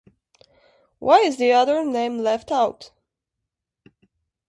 Why is the other name left out?